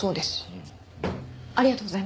ありがとうございます。